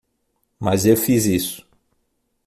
Mas eu fiz isso.